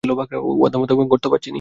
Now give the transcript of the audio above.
ওয়াদা মোতাবেক, ঘর তো পাচ্ছেনই।